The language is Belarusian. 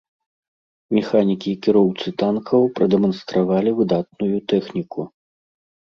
Механікі-кіроўцы танкаў прадэманстравалі выдатную тэхніку.